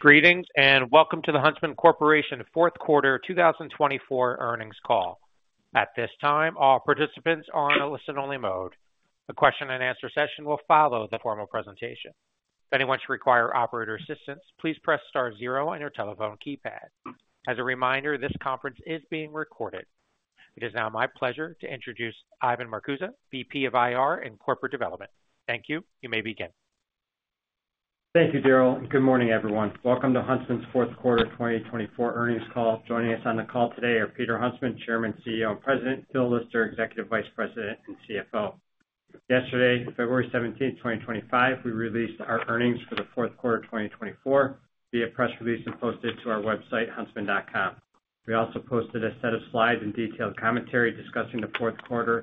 Greetings and welcome to the Huntsman Corporation Fourth Quarter 2024 earnings call. At this time, all participants are in a listen-only mode. A question-and-answer session will follow the formal presentation. If anyone should require operator assistance, please press star zero on your telephone keypad. As a reminder, this conference is being recorded. It is now my pleasure to introduce Ivan Marcuse, VP of IR and Corporate Development. Thank you. You may begin. Thank you, Daryl. Good morning, everyone. Welcome to Huntsman's Fourth Quarter 2024 Earnings Call. Joining us on the call today are Peter Huntsman, Chairman, CEO, and President. Phil Lister, Executive Vice President and CFO. Yesterday, February 17, 2025, we released our earnings for the Fourth Quarter 2024 via press release and posted it to our website, huntsman.com. We also posted a set of slides and detailed commentary discussing the Fourth Quarter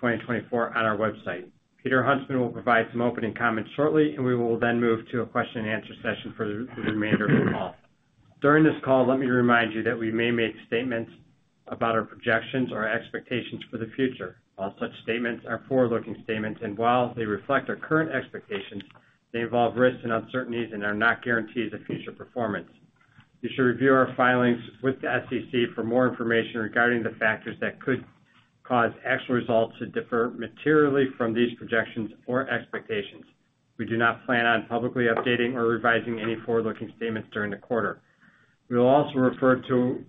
2024 on our website. Peter Huntsman will provide some opening comments shortly, and we will then move to a question-and-answer session for the remainder of the call. During this call, let me remind you that we may make statements about our projections or expectations for the future. All such statements are forward-looking statements, and while they reflect our current expectations, they involve risks and uncertainties and are not guarantees of future performance. You should review our filings with the SEC for more information regarding the factors that could cause actual results to differ materially from these projections or expectations. We do not plan on publicly updating or revising any forward-looking statements during the quarter. We will also refer to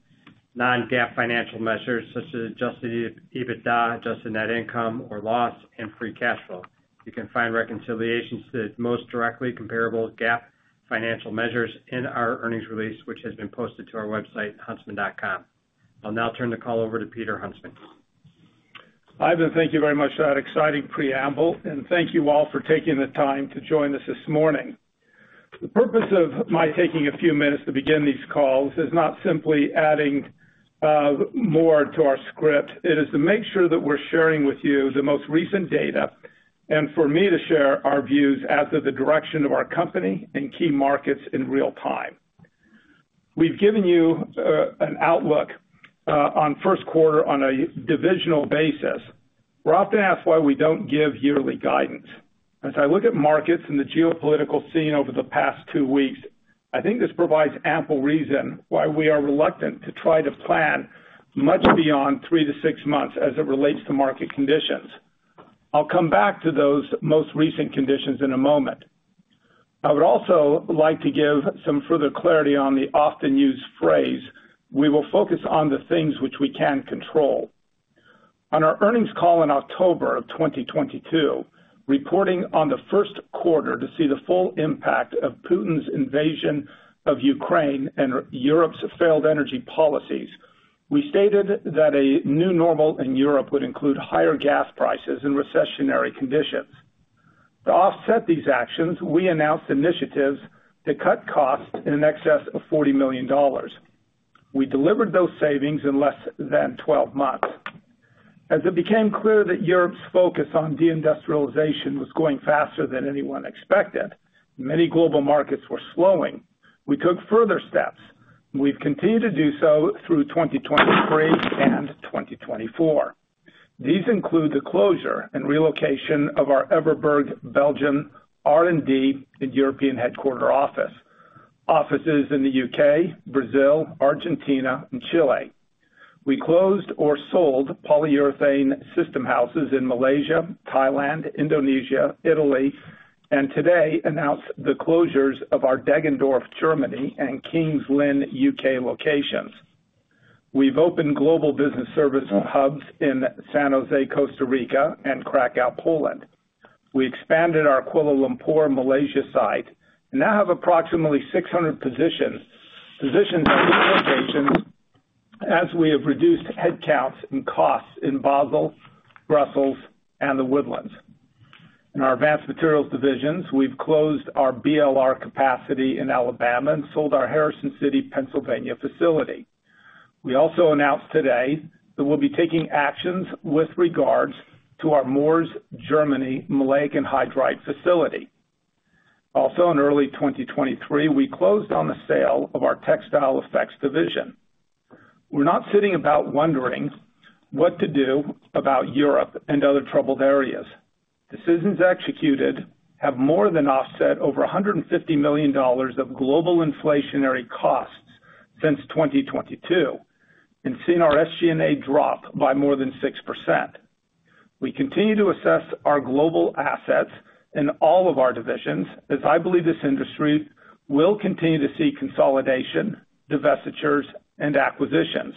non-GAAP financial measures such as adjusted EBITDA, adjusted net income, or loss, and free cash flow. You can find reconciliations to the most directly comparable GAAP financial measures in our earnings release, which has been posted to our website, Huntsman.com. I'll now turn the call over to Peter Huntsman. Ivan, thank you very much for that exciting preamble, and thank you all for taking the time to join us this morning. The purpose of my taking a few minutes to begin these calls is not simply adding more to our script. It is to make sure that we're sharing with you the most recent data and for me to share our views as to the direction of our company and key markets in real time. We've given you an outlook on first quarter on a divisional basis. We're often asked why we don't give yearly guidance. As I look at markets and the geopolitical scene over the past two weeks, I think this provides ample reason why we are reluctant to try to plan much beyond three to six months as it relates to market conditions. I'll come back to those most recent conditions in a moment. I would also like to give some further clarity on the often-used phrase, "We will focus on the things which we can control." On our earnings call in October of 2022, reporting on the first quarter to see the full impact of Putin's invasion of Ukraine and Europe's failed energy policies, we stated that a new normal in Europe would include higher gas prices and recessionary conditions. To offset these actions, we announced initiatives to cut costs in excess of $40 million. We delivered those savings in less than 12 months. As it became clear that Europe's focus on deindustrialization was going faster than anyone expected, many global markets were slowing. We took further steps, and we've continued to do so through 2023 and 2024. These include the closure and relocation of our Everberg, Belgium, R&D, and European headquarter offices in the UK, Brazil, Argentina, and Chile. We closed or sold polyurethane system houses in Malaysia, Thailand, Indonesia, Italy, and today announced the closures of our Deggendorf, Germany, and King's Lynn, U.K. locations. We've opened global business service hubs in San Jose, Costa Rica, and Krakow, Poland. We expanded our Kuala Lumpur, Malaysia, site and now have approximately 600 positions at these locations as we have reduced headcounts and costs in Basel, Brussels, and The Woodlands. In our Advanced Materials divisions, we've closed our BLR capacity in Alabama and sold our Harrison City, Pennsylvania, facility. We also announced today that we'll be taking actions with regards to our Moers, Germany, maleic anhydride facility. Also, in early 2023, we closed on the sale of our Textile Effects division. We're not sitting about wondering what to do about Europe and other troubled areas. Decisions executed have more than offset over $150 million of global inflationary costs since 2022 and seen our SG&A drop by more than 6%. We continue to assess our global assets in all of our divisions, as I believe this industry will continue to see consolidation, divestitures, and acquisitions.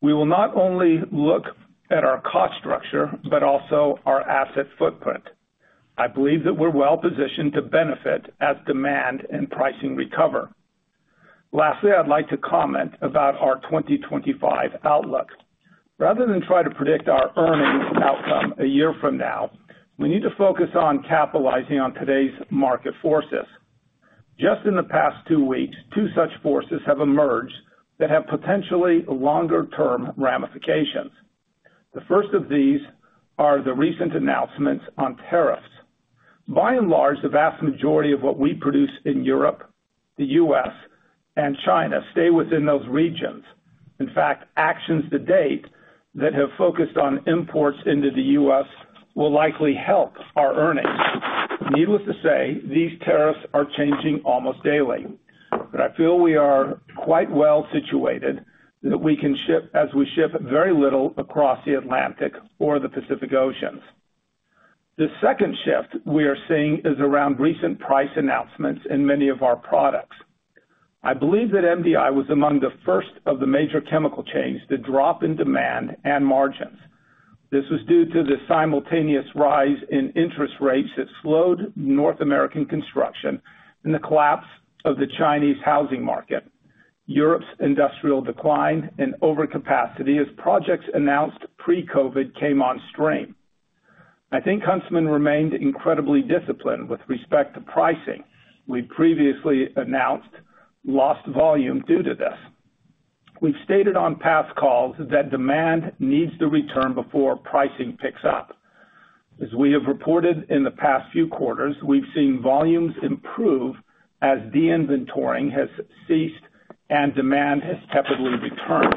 We will not only look at our cost structure but also our asset footprint. I believe that we're well positioned to benefit as demand and pricing recover. Lastly, I'd like to comment about our 2025 outlook. Rather than try to predict our earnings outcome a year from now, we need to focus on capitalizing on today's market forces. Just in the past two weeks, two such forces have emerged that have potentially longer-term ramifications. The first of these are the recent announcements on tariffs. By and large, the vast majority of what we produce in Europe, the U.S., and China stay within those regions. In fact, actions to date that have focused on imports into the U.S. will likely help our earnings. Needless to say, these tariffs are changing almost daily, but I feel we are quite well situated that we can ship as we ship very little across the Atlantic or the Pacific Oceans. The second shift we are seeing is around recent price announcements in many of our products. I believe that MDI was among the first of the major chemical chains to drop in demand and margins. This was due to the simultaneous rise in interest rates that slowed North American construction and the collapse of the Chinese housing market, Europe's industrial decline and overcapacity as projects announced pre-COVID came on stream. I think Huntsman remained incredibly disciplined with respect to pricing. We previously announced lost volume due to this. We've stated on past calls that demand needs to return before pricing picks up. As we have reported in the past few quarters, we've seen volumes improve as de-inventoring has ceased and demand has tepidly returned.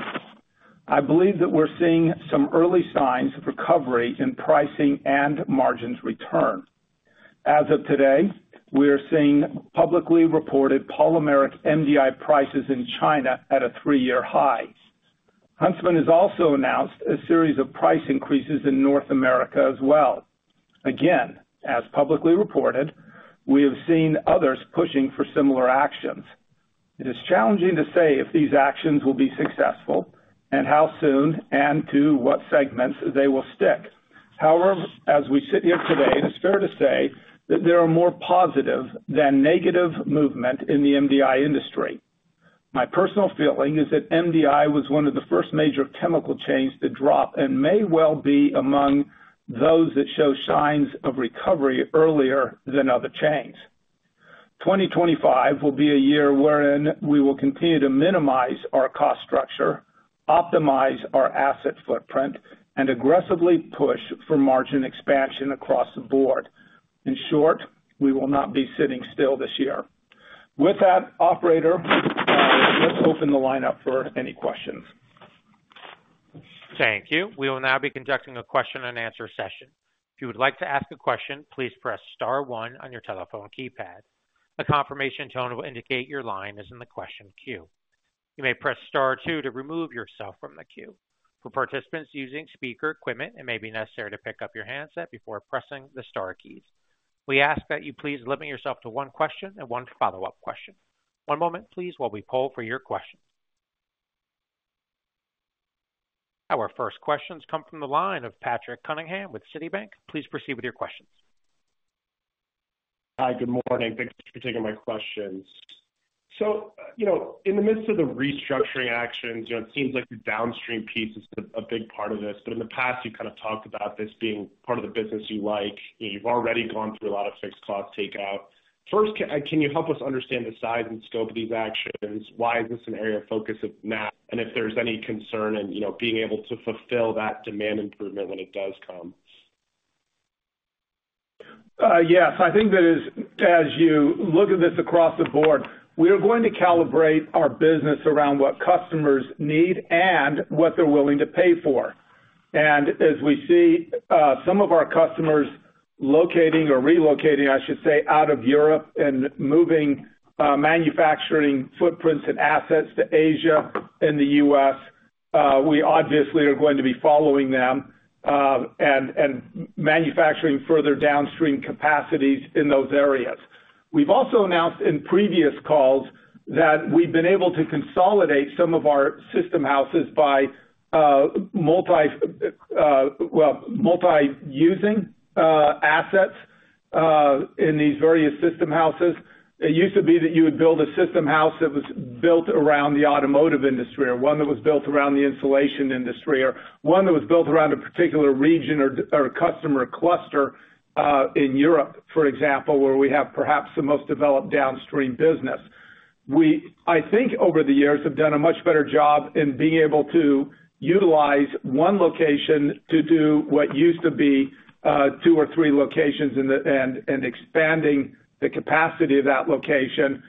I believe that we're seeing some early signs of recovery in pricing and margins return. As of today, we are seeing publicly reported polymeric MDI prices in China at a three-year high. Huntsman has also announced a series of price increases in North America as well. Again, as publicly reported, we have seen others pushing for similar actions. It is challenging to say if these actions will be successful and how soon and to what segments they will stick. However, as we sit here today, it is fair to say that there are more positive than negative movements in the MDI industry. My personal feeling is that MDI was one of the first major chemical chains to drop and may well be among those that show signs of recovery earlier than other chains. 2025 will be a year wherein we will continue to minimize our cost structure, optimize our asset footprint, and aggressively push for margin expansion across the board. In short, we will not be sitting still this year. With that, Operator, let's open the lineup for any questions. Thank you. We will now be conducting a question-and-answer session. If you would like to ask a question, please press star one on your telephone keypad. A confirmation tone will indicate your line is in the question queue. You may press star two to remove yourself from the queue. For participants using speaker equipment, it may be necessary to pick up your handset before pressing the star keys. We ask that you please limit yourself to one question and one follow-up question. One moment, please, while we poll for your questions. Our first questions come from the line of Patrick Cunningham with Citigroup. Please proceed with your questions. Hi, good morning. Thanks for taking my questions. So, you know, in the midst of the restructuring actions, you know, it seems like the downstream piece is a big part of this, but in the past, you've kind of talked about this being part of the business you like. You've already gone through a lot of fixed cost takeout. First, can you help us understand the size and scope of these actions? Why is this an area of focus now? And if there's any concern in, you know, being able to fulfill that demand improvement when it does come? Yes. I think that as you look at this across the board, we are going to calibrate our business around what customers need and what they're willing to pay for. And as we see some of our customers locating or relocating, I should say, out of Europe and moving manufacturing footprints and assets to Asia and the US, we obviously are going to be following them and manufacturing further downstream capacities in those areas. We've also announced in previous calls that we've been able to consolidate some of our system houses by multi, well, multi-using assets in these various system houses. It used to be that you would build a system house that was built around the automotive industry or one that was built around the insulation industry or one that was built around a particular region or customer cluster in Europe, for example, where we have perhaps the most developed downstream business. We, I think, over the years have done a much better job in being able to utilize one location to do what used to be two or three locations and expanding the capacity of that location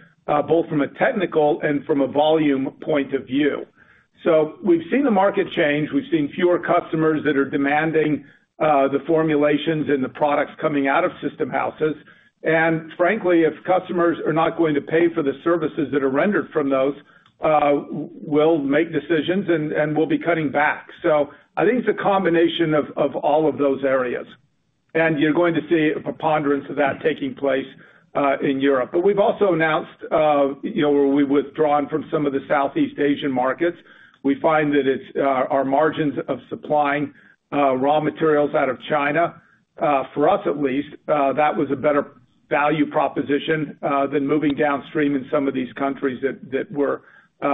both from a technical and from a volume point of view. So we've seen the market change. We've seen fewer customers that are demanding the formulations and the products coming out of system houses. And frankly, if customers are not going to pay for the services that are rendered from those, we'll make decisions and we'll be cutting back. So I think it's a combination of all of those areas. And you're going to see a preponderance of that taking place in Europe. But we've also announced, you know, where we've withdrawn from some of the Southeast Asian markets. We find that our margins of supplying raw materials out of China, for us at least, that was a better value proposition than moving downstream in some of these countries that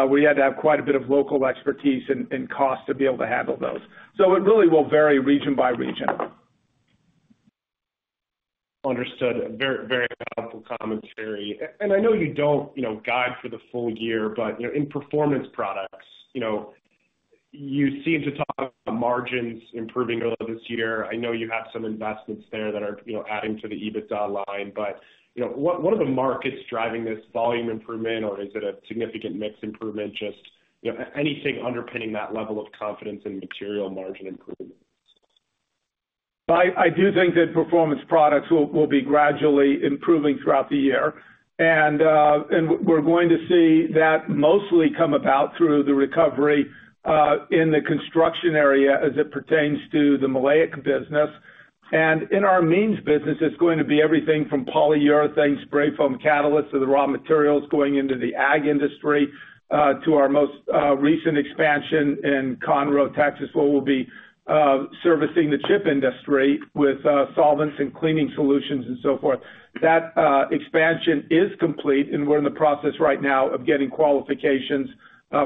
we had to have quite a bit of local expertise and cost to be able to handle those. So it really will vary region by region. Understood. Very, very helpful commentary, and I know you don't, you know, guide for the full year, but, you know, in Performance Products, you know, you seem to talk about margins improving early this year. I know you have some investments there that are, you know, adding to the EBITDA line, but, you know, what are the markets driving this volume improvement, or is it a significant mix improvement? Just, you know, anything underpinning that level of confidence in material margin improvement? I do think that Performance Products will be gradually improving throughout the year, and we're going to see that mostly come about through the recovery in the construction area as it pertains to the maleic business, and in our amines business, it's going to be everything from polyurethane, spray foam catalysts to the raw materials going into the ag industry to our most recent expansion in Conroe, Texas, where we'll be servicing the chip industry with solvents and cleaning solutions and so forth. That expansion is complete, and we're in the process right now of getting qualifications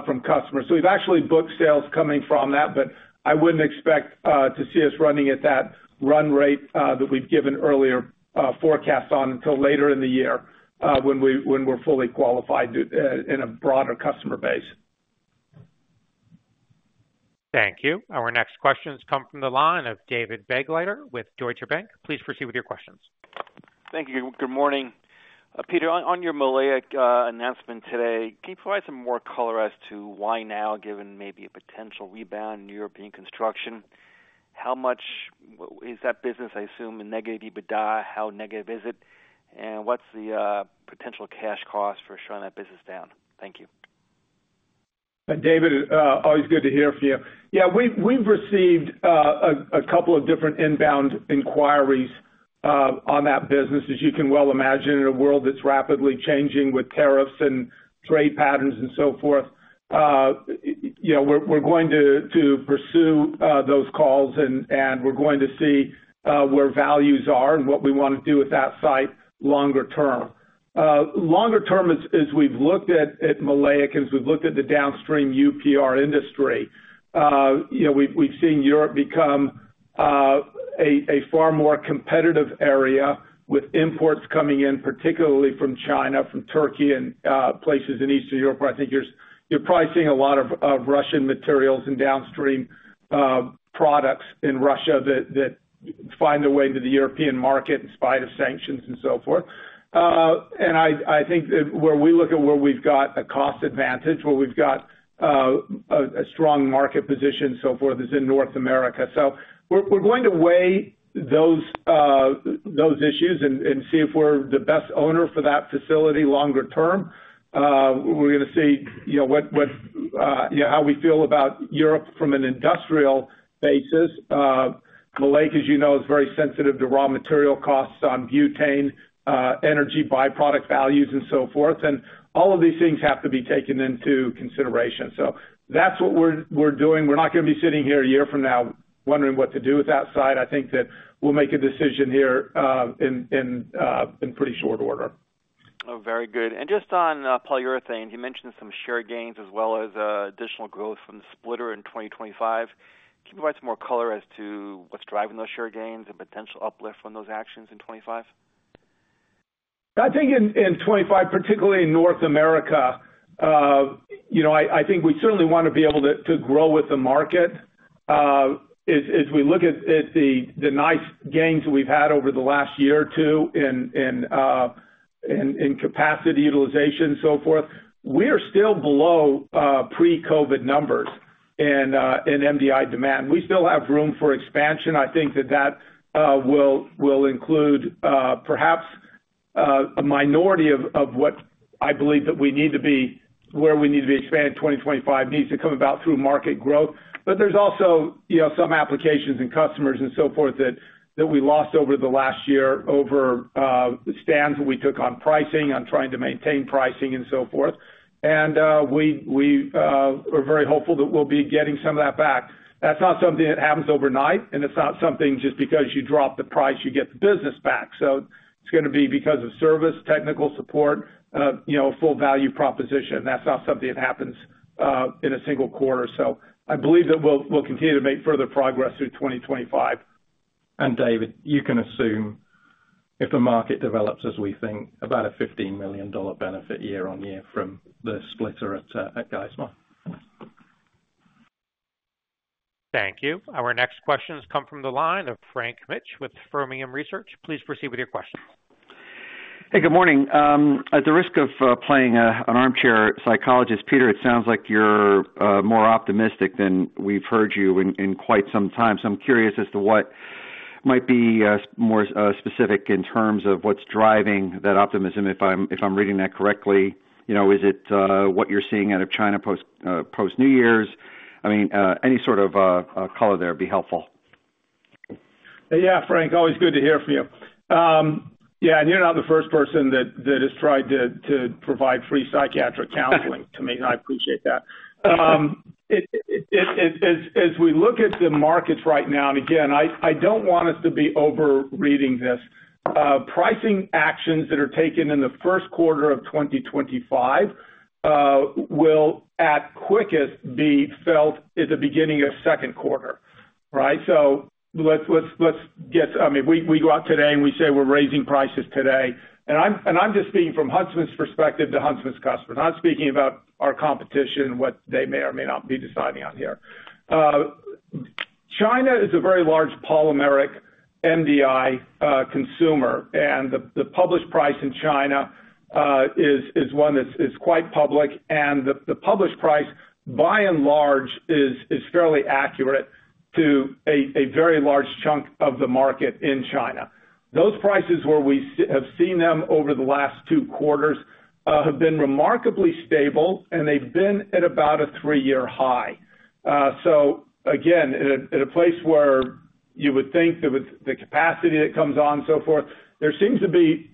from customers, so we've actually booked sales coming from that, but I wouldn't expect to see us running at that run rate that we've given earlier forecasts on until later in the year when we're fully qualified in a broader customer base. Thank you. Our next questions come from the line of David Begleiter with Deutsche Bank. Please proceed with your questions. Thank you. Good morning. Peter, on your maleic announcement today, can you provide some more color as to why now, given maybe a potential rebound in European construction? How much is that business, I assume, negative EBITDA? How negative is it? And what's the potential cash cost for shutting that business down? Thank you. David, always good to hear from you. Yeah, we've received a couple of different inbound inquiries on that business, as you can well imagine, in a world that's rapidly changing with tariffs and trade patterns and so forth. You know, we're going to pursue those calls, and we're going to see where values are and what we want to do with that site longer term. Longer term, as we've looked at maleic and as we've looked at the downstream UPR industry, you know, we've seen Europe become a far more competitive area with imports coming in, particularly from China, from Turkey, and places in Eastern Europe. I think you're probably seeing a lot of Russian materials and downstream products in Russia that find their way into the European market in spite of sanctions and so forth. I think that where we look at where we've got a cost advantage, where we've got a strong market position and so forth, is in North America. We're going to weigh those issues and see if we're the best owner for that facility longer term. We're going to see, you know, how we feel about Europe from an industrial basis. Maleic, as you know, is very sensitive to raw material costs on butane, energy byproduct values, and so forth. All of these things have to be taken into consideration. That's what we're doing. We're not going to be sitting here a year from now wondering what to do with that site. I think that we'll make a decision here in pretty short order. Oh, very good. And just on polyurethane, you mentioned some share gains as well as additional growth from the splitter in 2025. Can you provide some more color as to what's driving those share gains and potential uplift from those actions in '25? I think in 2025, particularly in North America, you know, I think we certainly want to be able to grow with the market. As we look at the nice gains that we've had over the last year or two in capacity utilization and so forth, we are still below pre-COVID numbers in MDI demand. We still have room for expansion. I think that that will include perhaps a minority of what I believe that we need to be where we need to be expanded in 2025 needs to come about through market growth. But there's also, you know, some applications and customers and so forth that we lost over the last year over the stance that we took on pricing, on trying to maintain pricing and so forth, and we are very hopeful that we'll be getting some of that back. That's not something that happens overnight, and it's not something just because you drop the price, you get the business back. So it's going to be because of service, technical support, you know, a full value proposition. That's not something that happens in a single quarter. So I believe that we'll continue to make further progress through 2025. David, you can assume if the market develops as we think, about a $15 million benefit year on year from the splitter at Geismar. Thank you. Our next questions come from the line of Frank Mitsch with Fermium Research. Please proceed with your questions. Hey, good morning. At the risk of playing an armchair psychologist, Peter, it sounds like you're more optimistic than we've heard you in quite some time. So I'm curious as to what might be more specific in terms of what's driving that optimism, if I'm reading that correctly. You know, is it what you're seeing out of China post-New Year's? I mean, any sort of color there would be helpful. Yeah, Frank, always good to hear from you. Yeah, and you're not the first person that has tried to provide free psychiatric counseling to me, and I appreciate that. As we look at the markets right now, and again, I don't want us to be overreading this, pricing actions that are taken in the first quarter of 2025 will at quickest be felt at the beginning of the second quarter, right? So let's get, I mean, we go out today and we say we're raising prices today. And I'm just speaking from Huntsman's perspective to Huntsman's customers. I'm not speaking about our competition and what they may or may not be deciding on here. China is a very large polymeric MDI consumer, and the published price in China is one that's quite public. And the published price, by and large, is fairly accurate to a very large chunk of the market in China. Those prices where we have seen them over the last two quarters have been remarkably stable, and they've been at about a three-year high. So again, at a place where you would think that with the capacity that comes on and so forth, there seems to be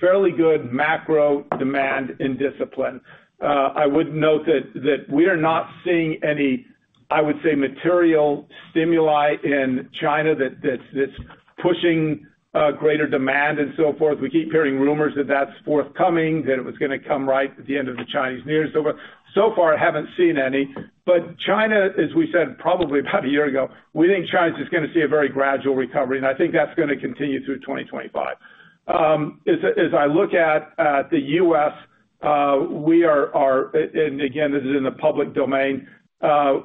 fairly good macro demand and discipline. I would note that we are not seeing any, I would say, material stimuli in China that's pushing greater demand and so forth. We keep hearing rumors that that's forthcoming, that it was going to come right at the end of the Chinese New Year and so forth. So far, I haven't seen any. But China, as we said probably about a year ago, we think China's just going to see a very gradual recovery, and I think that's going to continue through 2025. As I look at the U.S., we are, and again, this is in the public domain,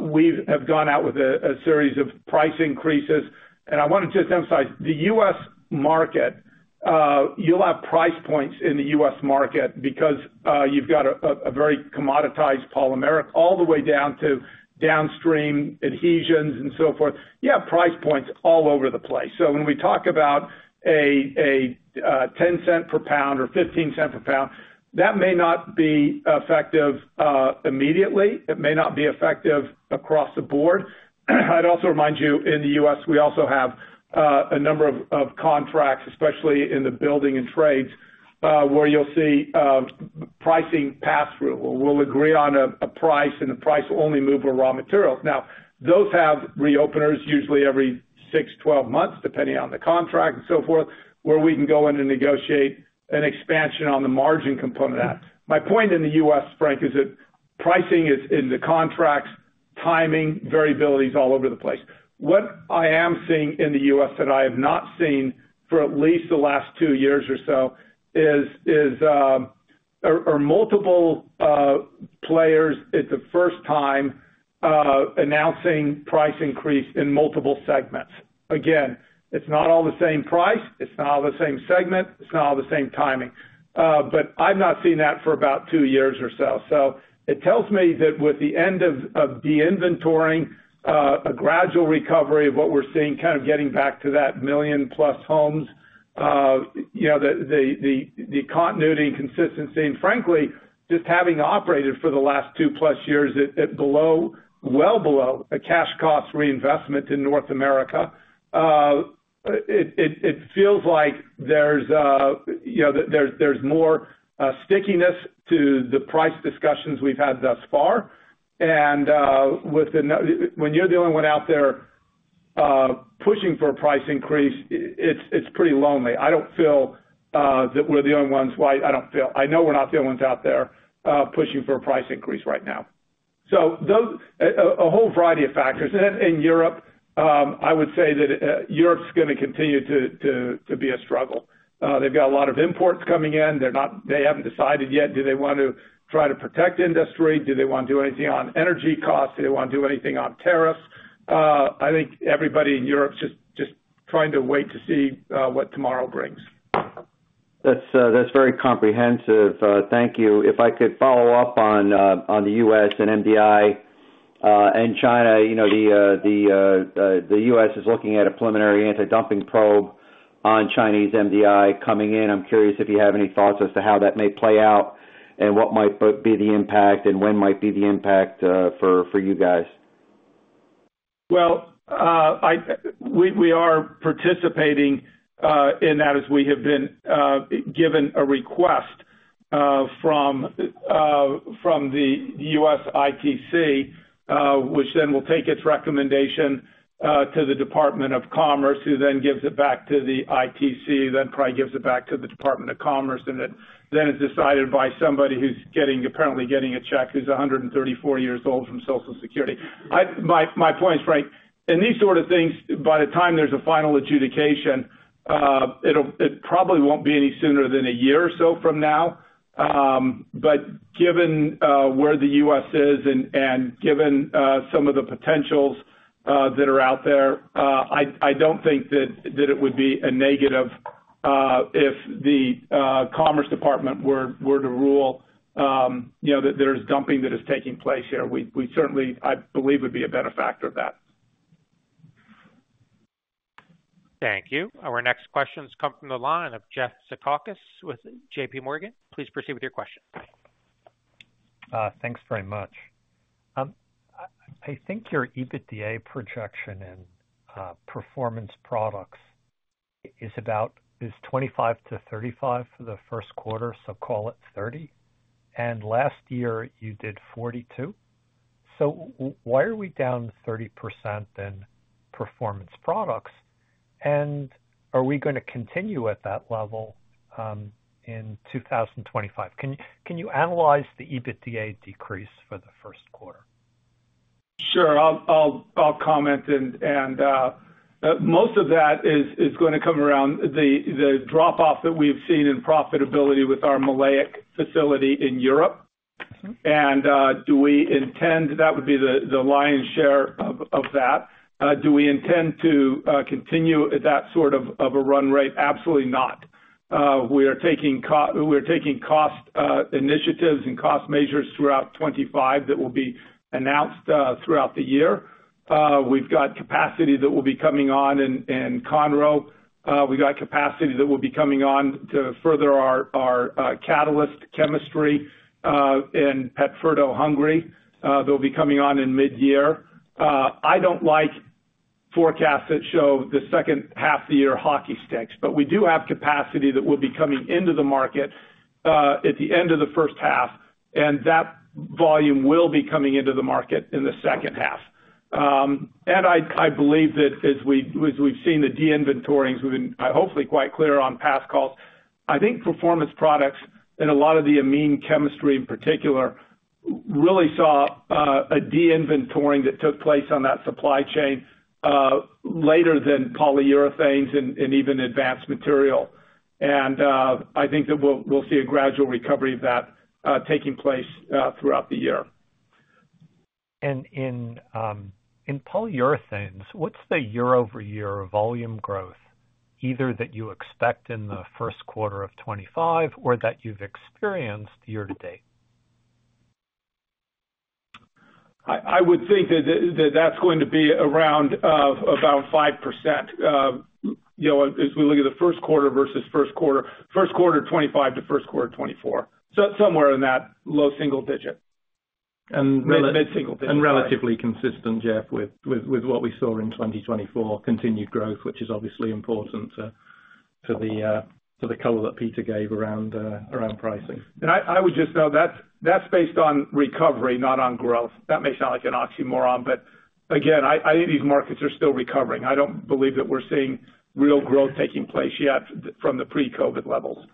we have gone out with a series of price increases. And I want to just emphasize the U.S. market, you'll have price points in the U.S. market because you've got a very commoditized polymeric MDI all the way down to downstream applications and so forth. You have price points all over the place. So when we talk about a $0.10 per pound or $0.15 per pound, that may not be effective immediately. It may not be effective across the board. I'd also remind you in the U.S., we also have a number of contracts, especially in the building and trades, where you'll see pricing pass-through. We'll agree on a price, and the price will only move with raw materials. Now, those have reopeners usually every six, 12 months, depending on the contract and so forth, where we can go in and negotiate an expansion on the margin component of that. My point in the U.S., Frank, is that pricing is in the contracts, timing, variabilities all over the place. What I am seeing in the U.S. that I have not seen for at least the last two years or so is multiple players at the first time announcing price increase in multiple segments. Again, it's not all the same price. It's not all the same segment. It's not all the same timing. I've not seen that for about two years or so. So it tells me that with the end of de-inventoring, a gradual recovery of what we're seeing, kind of getting back to that million-plus homes, you know, the continuity and consistency. And frankly, just having operated for the last two-plus years at below, well below a cash cost reinvestment in North America, it feels like there's, you know, there's more stickiness to the price discussions we've had thus far. And when you're the only one out there pushing for a price increase, it's pretty lonely. I don't feel that we're the only ones. I know we're not the only ones out there pushing for a price increase right now. So a whole variety of factors. And in Europe, I would say that Europe's going to continue to be a struggle. They've got a lot of imports coming in. They haven't decided yet. Do they want to try to protect industry? Do they want to do anything on energy costs? Do they want to do anything on tariffs? I think everybody in Europe's just trying to wait to see what tomorrow brings. That's very comprehensive. Thank you. If I could follow up on the U.S. and MDI and China, you know, the U.S. is looking at a preliminary anti-dumping probe on Chinese MDI coming in. I'm curious if you have any thoughts as to how that may play out and what might be the impact and when might be the impact for you guys? We are participating in that as we have been given a request from the USITC, which then will take its recommendation to the Department of Commerce, who then gives it back to the ITC, then probably gives it back to the Department of Commerce, and then it's decided by somebody who's apparently getting a check who's 134 years old from Social Security. My point is, Frank, in these sort of things, by the time there's a final adjudication, it probably won't be any sooner than a year or so from now. But given where the U.S. is and given some of the potentials that are out there, I don't think that it would be a negative if the Commerce Department were to rule, you know, that there's dumping that is taking place here. We certainly, I believe, would be a benefactor of that. Thank you. Our next questions come from the line of Jeff Zekauskas with J.P. Morgan. Please proceed with your question. Thanks very much. I think your EBITDA projection in Performance Products is about 25-35 for the first quarter, so call it 30. And last year you did 42. So why are we down 30% in Performance Products? And are we going to continue at that level in 2025? Can you analyze the EBITDA decrease for the first quarter? Sure. I'll comment, and most of that is going to come around the drop-off that we've seen in profitability with our maleic facility in Europe, and do we intend? That would be the lion's share of that. Do we intend to continue that sort of a run rate? Absolutely not. We are taking cost initiatives and cost measures throughout 2025 that will be announced throughout the year. We've got capacity that will be coming on in Conroe. We've got capacity that will be coming on to further our catalyst chemistry in Pétfürdő, Hungary. They'll be coming on in mid-year. I don't like forecasts that show the second half of the year hockey sticks, but we do have capacity that will be coming into the market at the end of the first half, and that volume will be coming into the market in the second half. And I believe that as we've seen the de-inventorings, we've been hopefully quite clear on past calls. I think Performance Products and a lot of the amine chemistry in particular really saw a de-inventoring that took place on that supply chain later than Polyurethanes and even advanced material. And I think that we'll see a gradual recovery of that taking place throughout the year. In Polyurethanes, what's the year-over-year volume growth either that you expect in the first quarter of 2025 or that you've experienced year to date? I would think that that's going to be around about 5%, you know, as we look at the first quarter versus first quarter, first quarter 2025 to first quarter 2024. So somewhere in that low single digit. Relatively consistent, Jeff, with what we saw in 2024, continued growth, which is obviously important to the color that Peter gave around pricing. I would just note that's based on recovery, not on growth. That may sound like an oxymoron, but again, I think these markets are still recovering. I don't believe that we're seeing real growth taking place yet from the pre-COVID levels.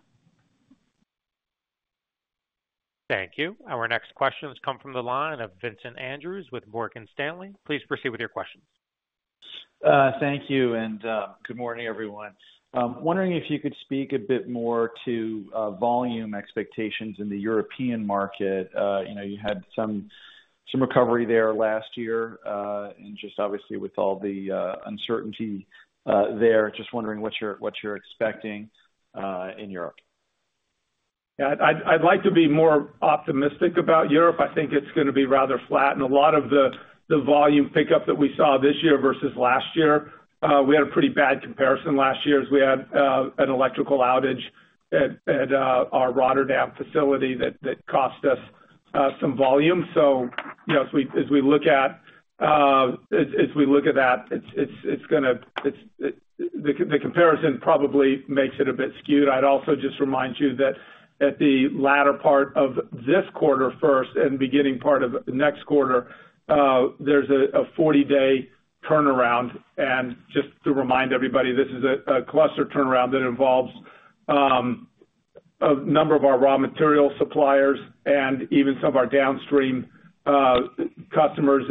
Thank you. Our next questions come from the line of Vincent Andrews with Morgan Stanley. Please proceed with your questions. Thank you and good morning, everyone. Wondering if you could speak a bit more to volume expectations in the European market. You know, you had some recovery there last year and just obviously with all the uncertainty there. Just wondering what you're expecting in Europe. Yeah, I'd like to be more optimistic about Europe. I think it's going to be rather flat, and a lot of the volume pickup that we saw this year versus last year, we had a pretty bad comparison last year as we had an electrical outage at our Rotterdam facility that cost us some volume, so you know, as we look at that, the comparison probably makes it a bit skewed. I'd also just remind you that at the latter part of this quarter first and beginning part of next quarter, there's a 40-day turnaround, and just to remind everybody, this is a cluster turnaround that involves a number of our raw material suppliers and even some of our downstream customers.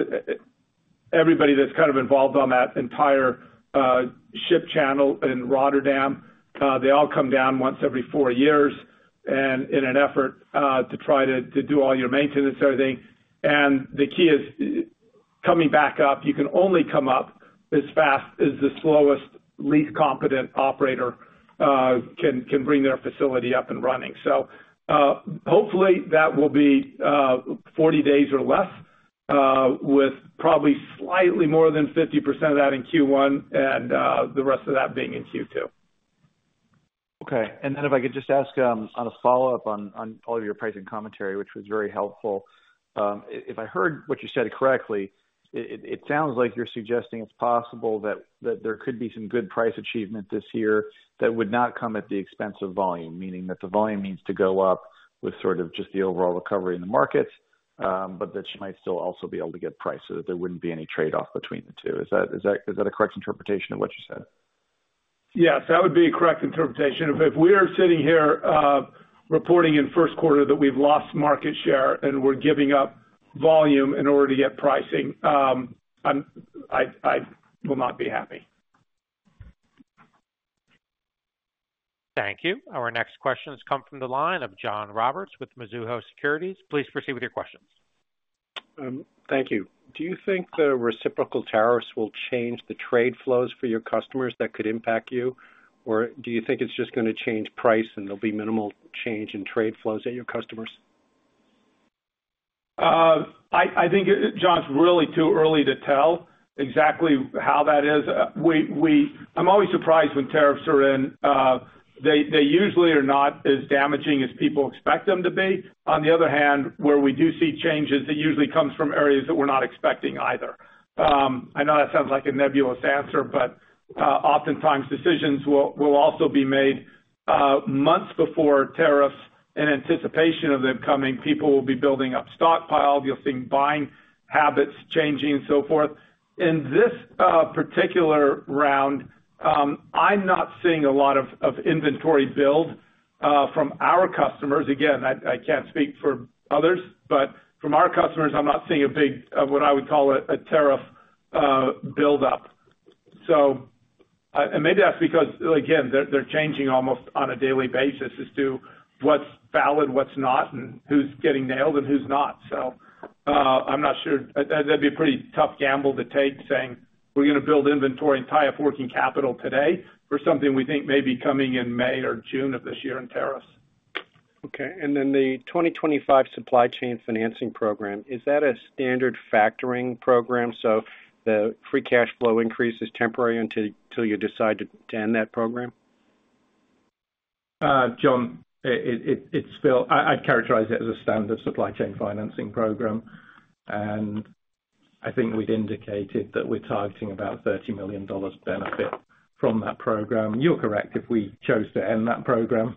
Everybody that's kind of involved on that entire ship channel in Rotterdam, they all come down once every four years and in an effort to try to do all your maintenance and everything, and the key is coming back up, you can only come up as fast as the slowest, least competent operator can bring their facility up and running, so hopefully that will be 40 days or less with probably slightly more than 50% of that in Q1 and the rest of that being in Q2. Okay. And then if I could just ask on a follow-up on all of your pricing commentary, which was very helpful. If I heard what you said correctly, it sounds like you're suggesting it's possible that there could be some good price achievement this year that would not come at the expense of volume, meaning that the volume needs to go up with sort of just the overall recovery in the markets, but that you might still also be able to get price so that there wouldn't be any trade-off between the two. Is that a correct interpretation of what you said? Yes, that would be a correct interpretation. If we are sitting here reporting in first quarter that we've lost market share and we're giving up volume in order to get pricing, I will not be happy. Thank you. Our next questions come from the line of John Roberts with Mizuho Securities. Please proceed with your questions. Thank you. Do you think the reciprocal tariffs will change the trade flows for your customers that could impact you, or do you think it's just going to change price and there'll be minimal change in trade flows at your customers? I think, John, it's really too early to tell exactly how that is. I'm always surprised when tariffs are in. They usually are not as damaging as people expect them to be. On the other hand, where we do see changes, it usually comes from areas that we're not expecting either. I know that sounds like a nebulous answer, but oftentimes decisions will also be made months before tariffs in anticipation of them coming. People will be building up stockpiles. You'll see buying habits changing and so forth. In this particular round, I'm not seeing a lot of inventory build from our customers. Again, I can't speak for others, but from our customers, I'm not seeing a big, what I would call a tariff buildup. So maybe that's because, again, they're changing almost on a daily basis as to what's valid, what's not, and who's getting nailed and who's not. I'm not sure. That'd be a pretty tough gamble to take saying we're going to build inventory and tie up working capital today for something we think may be coming in May or June of this year in tariffs. Okay. And then the 2025 Supply Chain Financing Program, is that a standard factoring program? So the free cash flow increase is temporary until you decide to end that program? John, I'd characterize it as a standard supply chain financing program. And I think we'd indicated that we're targeting about $30 million benefit from that program. You're correct. If we chose to end that program,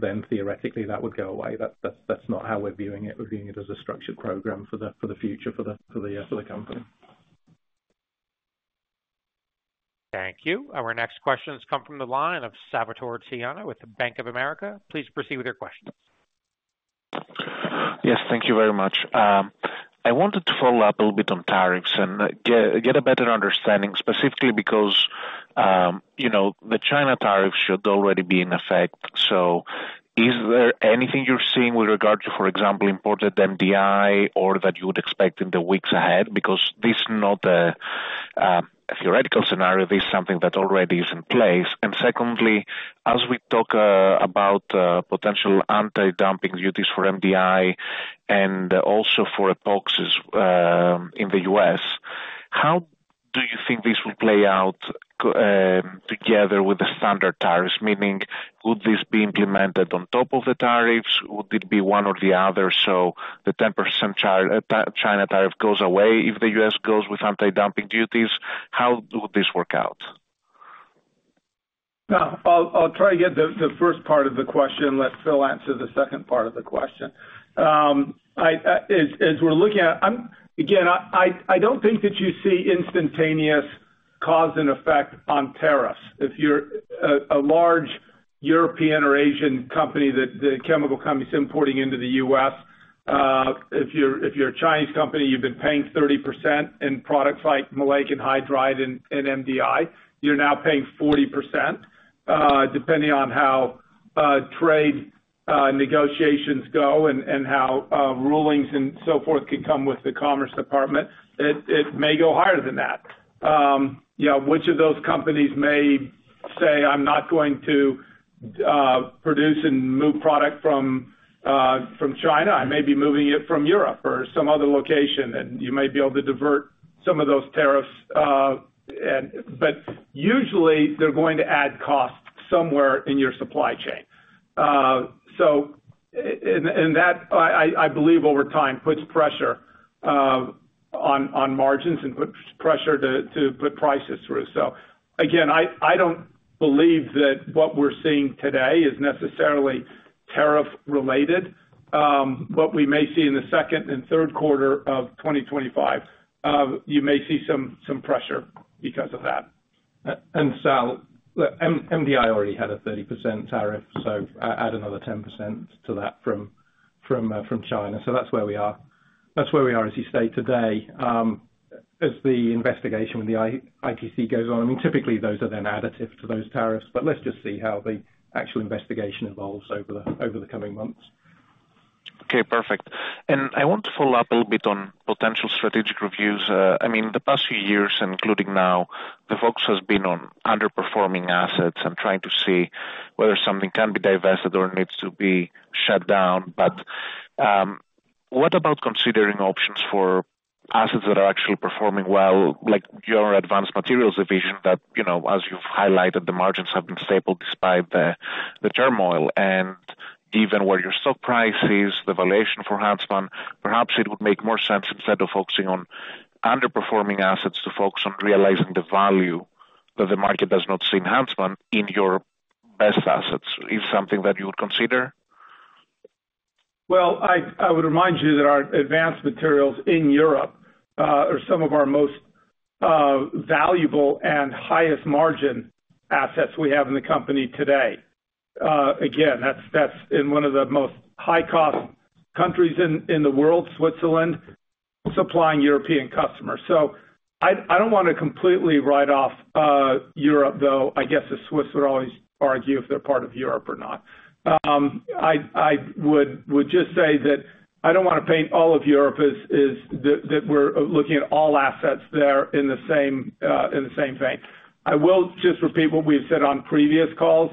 then theoretically that would go away. That's not how we're viewing it. We're viewing it as a structured program for the future for the company. Thank you. Our next questions come from the line of Salvator Tiano with Bank of America. Please proceed with your questions. Yes, thank you very much. I wanted to follow up a little bit on tariffs and get a better understanding specifically because, you know, the China tariffs should already be in effect. So is there anything you're seeing with regard to, for example, imported MDI or that you would expect in the weeks ahead? Because this is not a theoretical scenario. This is something that already is in place. And secondly, as we talk about potential anti-dumping duties for MDI and also for epoxies in the U.S., how do you think this will play out together with the standard tariffs? Meaning, would this be implemented on top of the tariffs? Would it be one or the other? So the 10% China tariff goes away if the U.S. goes with anti-dumping duties. How would this work out? I'll try to get the first part of the question. Let Phil answer the second part of the question. As we're looking at, again, I don't think that you see instantaneous cause and effect on tariffs. If you're a large European or Asian company, the chemical company's importing into the U.S., if you're a Chinese company, you've been paying 30% in products like maleic anhydride and MDI, you're now paying 40%. Depending on how trade negotiations go and how rulings and so forth can come with the Commerce Department, it may go higher than that. You know, which of those companies may say, "I'm not going to produce and move product from China. I may be moving it from Europe or some other location," and you may be able to divert some of those tariffs. But usually they're going to add costs somewhere in your supply chain. So, in that, I believe over time puts pressure on margins and puts pressure to put prices through. So again, I don't believe that what we're seeing today is necessarily tariff-related, but we may see in the second and third quarter of 2025 you may see some pressure because of that. MDI already had a 30% tariff, so add another 10% to that from China. That's where we are. That's where we are as we sit today as the investigation with the ITC goes on. I mean, typically those are then additive to those tariffs, but let's just see how the actual investigation evolves over the coming months. Okay, perfect. And I want to follow up a little bit on potential strategic reviews. I mean, the past few years, including now, the focus has been on underperforming assets and trying to see whether something can be divested or needs to be shut down. But what about considering options for assets that are actually performing well, like your Advanced Materials division that, you know, as you've highlighted, the margins have been stable despite the turmoil. And given where your stock price is, the valuation for Huntsman, perhaps it would make more sense instead of focusing on underperforming assets to focus on realizing the value that the market does not see in Huntsman in your best assets. Is something that you would consider? I would remind you that our Advanced Materials in Europe are some of our most valuable and highest margin assets we have in the company today. Again, that's in one of the most high-cost countries in the world, Switzerland, supplying European customers. So I don't want to completely write off Europe, though I guess the Swiss would always argue if they're part of Europe or not. I would just say that I don't want to paint all of Europe as that we're looking at all assets there in the same vein. I will just repeat what we've said on previous calls,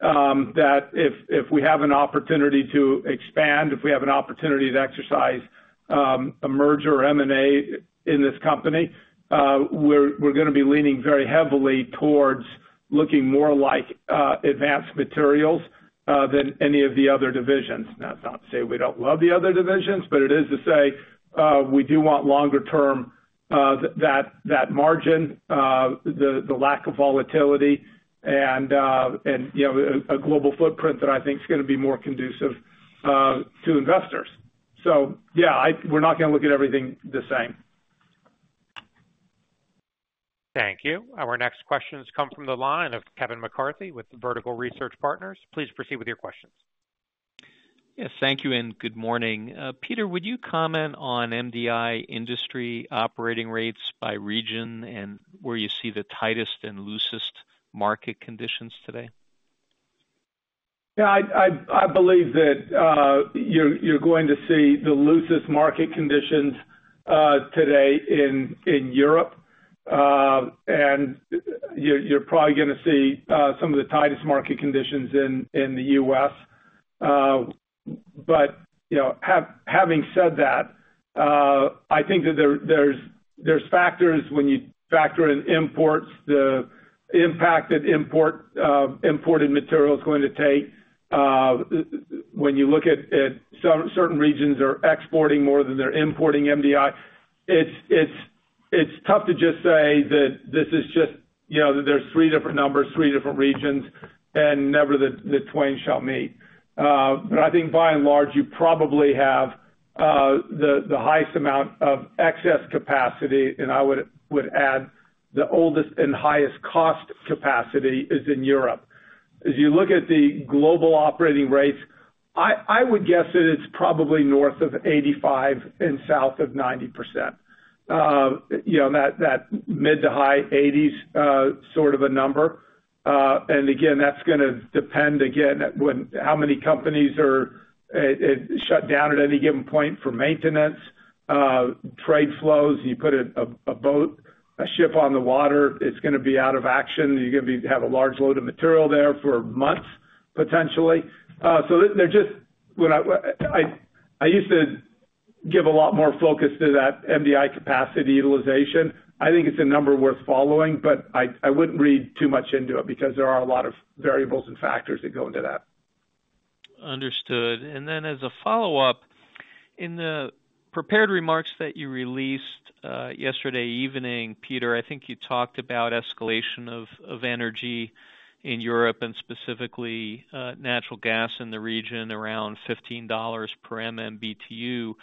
that if we have an opportunity to expand, if we have an opportunity to exercise a merger or M&A in this company, we're going to be leaning very heavily towards looking more like Advanced Materials than any of the other divisions. That's not to say we don't love the other divisions, but it is to say we do want longer-term that margin, the lack of volatility, and, you know, a global footprint that I think is going to be more conducive to investors. So yeah, we're not going to look at everything the same. Thank you. Our next questions come from the line of Kevin McCarthy with Vertical Research Partners. Please proceed with your questions. Yes, thank you and good morning. Peter, would you comment on MDI industry operating rates by region and where you see the tightest and loosest market conditions today? Yeah, I believe that you're going to see the loosest market conditions today in Europe. And you're probably going to see some of the tightest market conditions in the U.S. But, you know, having said that, I think that there's factors when you factor in imports, the impact that imported materials are going to take. When you look at certain regions that are exporting more than they're importing MDI, it's tough to just say that this is just, you know, that there's three different numbers, three different regions, and never the twain shall meet. But I think by and large, you probably have the highest amount of excess capacity. And I would add the oldest and highest cost capacity is in Europe. As you look at the global operating rates, I would guess that it's probably north of 85% and south of 90%. You know, that mid- to high-80s sort of a number. And again, that's going to depend again on how many companies are shut down at any given point for maintenance, trade flows. You put a boat, a ship on the water, it's going to be out of action. You're going to have a large load of material there for months potentially. So they're just, I used to give a lot more focus to that MDI capacity utilization. I think it's a number worth following, but I wouldn't read too much into it because there are a lot of variables and factors that go into that. Understood, and then as a follow-up, in the prepared remarks that you released yesterday evening, Peter, I think you talked about escalation of energy in Europe and specifically natural gas in the region around $15 per MMBTU.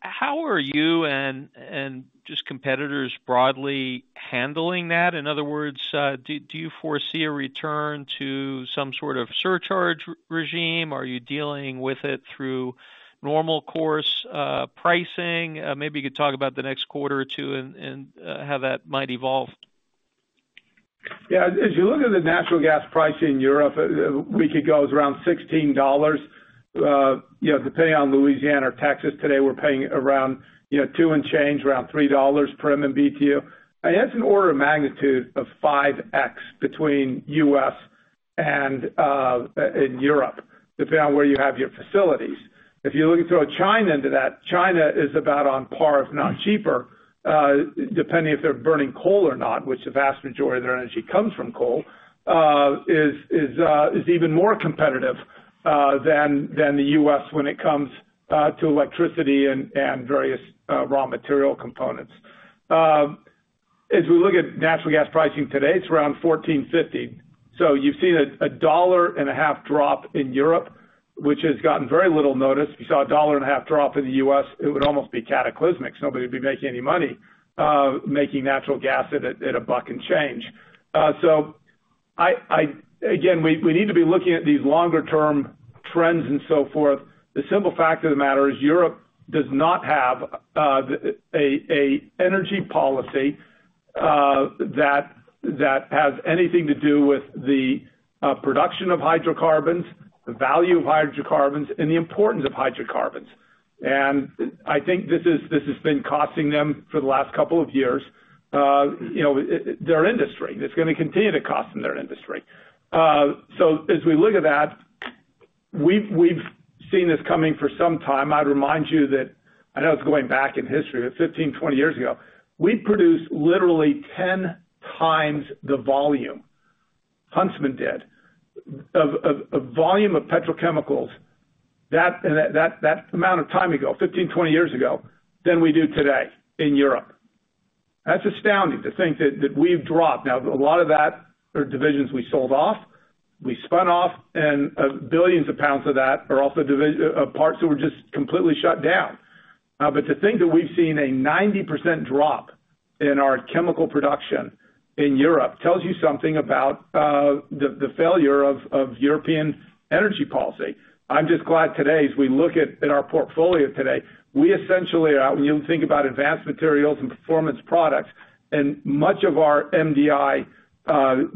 How are you and just competitors broadly handling that? In other words, do you foresee a return to some sort of surcharge regime? Are you dealing with it through normal course pricing? Maybe you could talk about the next quarter or two and how that might evolve. Yeah, as you look at the natural gas price in Europe, a week ago it was around $16. You know, depending on Louisiana or Texas today, we're paying around, you know, two and change, around $3 per MMBTU. And that's an order of magnitude of 5x between U.S. and Europe, depending on where you have your facilities. If you look at throwing China into that, China is about on par, if not cheaper, depending if they're burning coal or not, which the vast majority of their energy comes from coal, is even more competitive than the U.S. when it comes to electricity and various raw material components. As we look at natural gas pricing today, it's around $14.50. So you've seen a dollar and a half drop in Europe, which has gotten very little notice. If you saw a $1.50 drop in the U.S., it would almost be cataclysmic. Nobody would be making any money making natural gas at a buck and change. So again, we need to be looking at these longer-term trends and so forth. The simple fact of the matter is Europe does not have an energy policy that has anything to do with the production of hydrocarbons, the value of hydrocarbons, and the importance of hydrocarbons, and I think this has been costing them for the last couple of years, you know, their industry. It's going to continue to cost them their industry, so as we look at that, we've seen this coming for some time. I'd remind you that I know it's going back in history, but 15, 20 years ago, we produced literally 10 times the volume Huntsman did of volume of petrochemicals that amount of time ago, 15, 20 years ago, than we do today in Europe. That's astounding to think that we've dropped. Now, a lot of that are divisions we sold off, we spun off, and billions of pounds of that are also parts that were just completely shut down. But to think that we've seen a 90% drop in our chemical production in Europe tells you something about the failure of European energy policy. I'm just glad today, as we look at our portfolio today, we essentially are, when you think about Advanced Materials and Performance Products and much of our MDI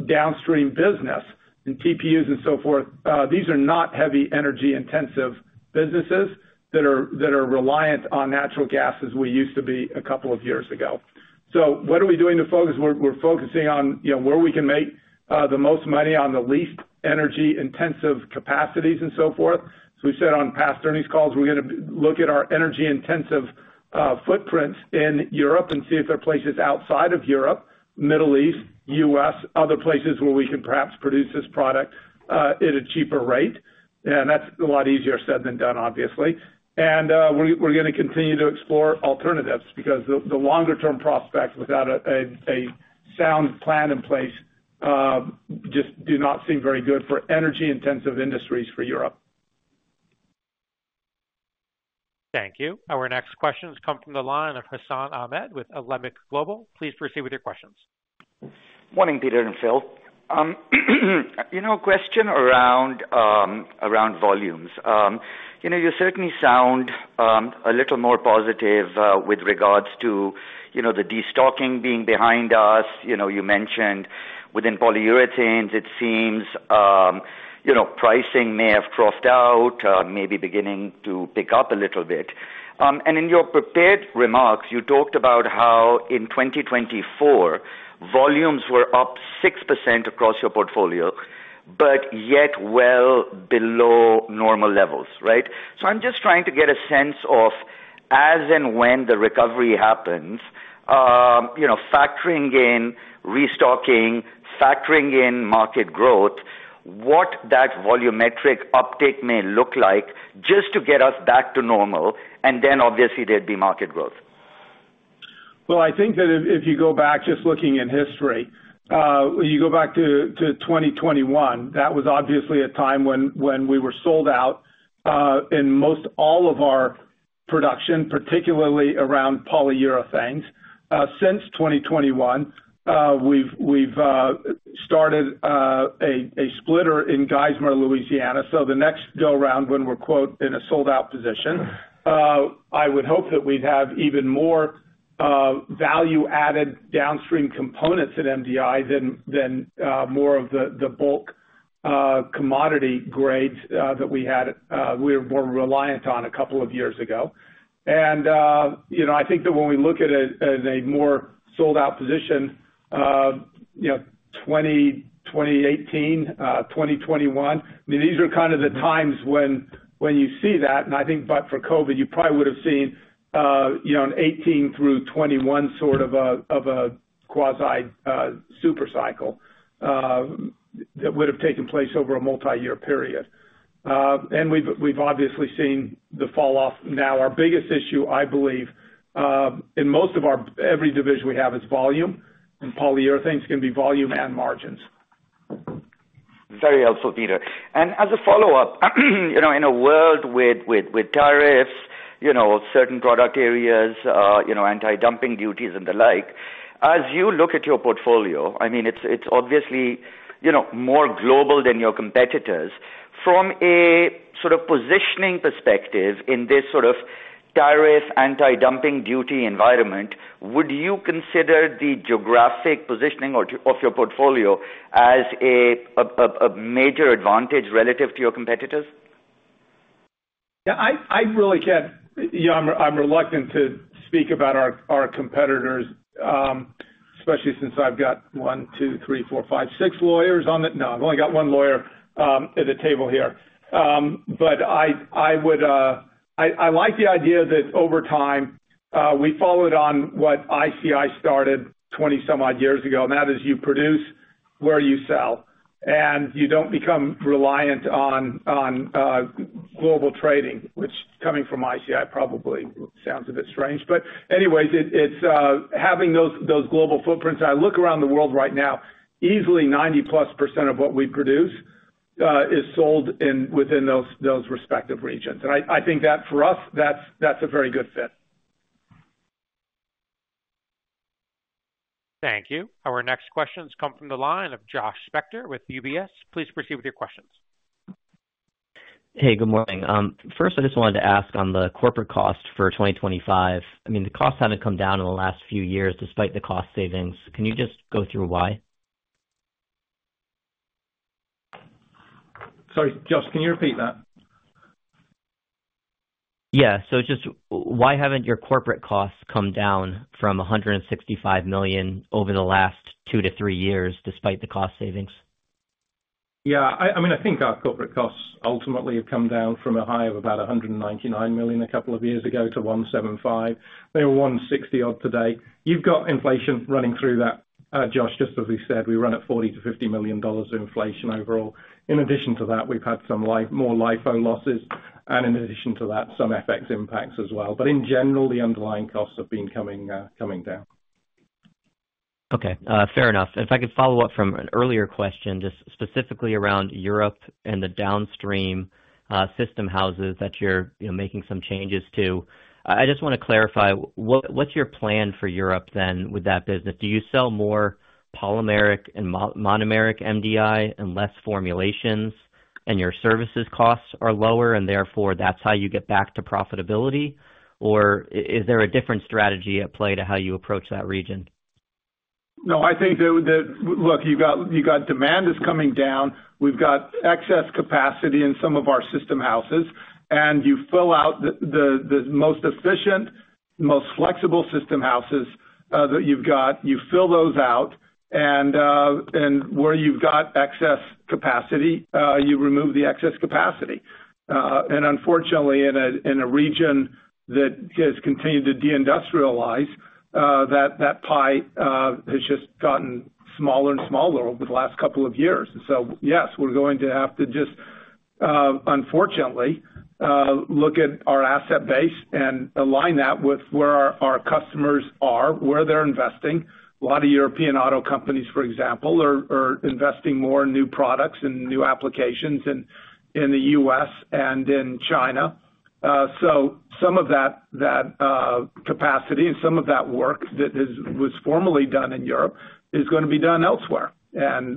downstream business and TPUs and so forth, these are not heavy energy intensive businesses that are reliant on natural gas as we used to be a couple of years ago. So what are we doing to focus? We're focusing on, you know, where we can make the most money on the least energy intensive capacities and so forth. As we said on past earnings calls, we're going to look at our energy intensive footprints in Europe and see if there are places outside of Europe, Middle East, U.S., other places where we can perhaps produce this product at a cheaper rate, and that's a lot easier said than done, obviously. We're going to continue to explore alternatives because the longer-term prospects without a sound plan in place just do not seem very good for energy intensive industries for Europe. Thank you. Our next questions come from the line of Hassan Ahmed with Alembic Global. Please proceed with your questions. Morning, Peter and Phil. You know, a question around volumes. You know, you certainly sound a little more positive with regards to, you know, the destocking being behind us. You know, you mentioned within Polyurethanes, it seems, you know, pricing may have bottomed out, maybe beginning to pick up a little bit. And in your prepared remarks, you talked about how in 2024, volumes were up 6% across your portfolio, but yet well below normal levels, right? So I'm just trying to get a sense of, as and when the recovery happens, you know, factoring in restocking, factoring in market growth, what that volumetric uptake may look like just to get us back to normal. And then obviously there'd be market growth. I think that if you go back, just looking in history, when you go back to 2021, that was obviously a time when we were sold out in most all of our production, particularly around Polyurethanes. Since 2021, we've started a splitter in Geismar, Louisiana. So the next go-round when we're quoting in a sold-out position, I would hope that we'd have even more value-added downstream components in MDI than more of the bulk commodity grades that we had, we were more reliant on a couple of years ago. And, you know, I think that when we look at a more sold-out position, you know, 2018, 2021, these are kind of the times when you see that. And I think, but for COVID, you probably would have seen, you know, an 2018 through 2021 sort of a quasi-super cycle that would have taken place over a multi-year period. We've obviously seen the fall off now. Our biggest issue, I believe, in most of our every division we have is volume. Polyurethane is going to be volume and margins. Very helpful, Peter. And as a follow-up, you know, in a world with tariffs, you know, certain product areas, you know, anti-dumping duties and the like, as you look at your portfolio, I mean, it's obviously, you know, more global than your competitors. From a sort of positioning perspective in this sort of tariff, anti-dumping duty environment, would you consider the geographic positioning of your portfolio as a major advantage relative to your competitors? Yeah, I really can't, you know. I'm reluctant to speak about our competitors, especially since I've got one, two, three, four, five, six lawyers on the, no, I've only got one lawyer at the table here. But I would. I like the idea that over time we followed on what ICI started 20 some odd years ago. And that is you produce where you sell. And you don't become reliant on global trading, which coming from ICI probably sounds a bit strange. But anyways, it's having those global footprints. I look around the world right now. Easily 90-plus% of what we produce is sold within those respective regions. And I think that for us, that's a very good fit. Thank you. Our next questions come from the line of Josh Spector with UBS. Please proceed with your questions. Hey, good morning. First, I just wanted to ask on the corporate cost for 2025. I mean, the costs haven't come down in the last few years despite the cost savings. Can you just go through why? Sorry, Josh, can you repeat that? Yeah. So just why haven't your corporate costs come down from $165 million over the last two to three years despite the cost savings? Yeah, I mean, I think our corporate costs ultimately have come down from a high of about $199 million a couple of years ago to $175. They were $160 odd today. You've got inflation running through that, Josh, just as we said, we run at $40-$50 million of inflation overall. In addition to that, we've had some more LIFO losses. And in addition to that, some FX impacts as well. But in general, the underlying costs have been coming down. Okay. Fair enough. If I could follow up from an earlier question, just specifically around Europe and the downstream system houses that you're making some changes to, I just want to clarify, what's your plan for Europe then with that business? Do you sell more polymeric and monomeric MDI and less formulations and your services costs are lower and therefore that's how you get back to profitability? Or is there a different strategy at play to how you approach that region? No, I think that, look, you've got demand that's coming down. We've got excess capacity in some of our system houses. And you fill out the most efficient, most flexible system houses that you've got, you fill those out. And where you've got excess capacity, you remove the excess capacity. And unfortunately, in a region that has continued to deindustrialize, that pie has just gotten smaller and smaller over the last couple of years. So yes, we're going to have to just, unfortunately, look at our asset base and align that with where our customers are, where they're investing. A lot of European auto companies, for example, are investing more in new products and new applications in the U.S. and in China. So some of that capacity and some of that work that was formerly done in Europe is going to be done elsewhere.